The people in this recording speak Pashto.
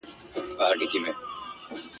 یو سکندر سي بل چنګیز بل یې هټلر سي !.